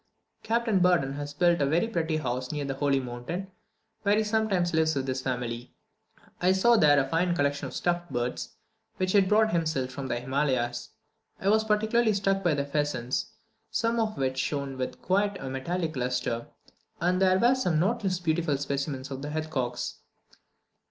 Captain Burdon has built a very pretty house near the holy mountain, where he sometimes lives with his family. I saw there a fine collection of stuffed birds, which he had brought himself from the Himalayas. I was particularly struck by the pheasants, some of which shone with quite a metallic lustre; and there were some not less beautiful specimens of heathcocks.